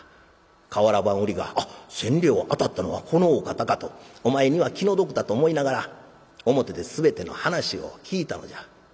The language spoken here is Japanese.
瓦版売りが『あっ千両当たったのはこのお方か』とお前には気の毒だと思いながら表で全ての話を聞いたのじゃ。